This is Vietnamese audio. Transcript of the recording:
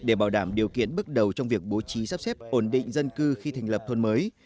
để bảo đảm điều kiện bước đầu trong việc bố trí sắp xếp ổn định dân cư khi thành lập thôn mới